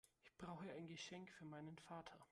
Ich brauche ein Geschenk für meinen Vater.